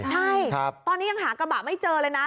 ใช่ตอนนี้ยังหากระบะไม่เจอเลยนะ